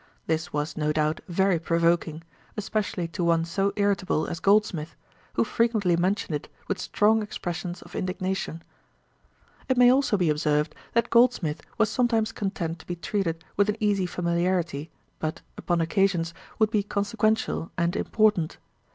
This was, no doubt, very provoking, especially to one so irritable as Goldsmith, who frequently mentioned it with strong expressions of indignation. It may also be observed, that Goldsmith was sometimes content to be treated with an easy familiarity, but, upon occasions, would be consequential and important.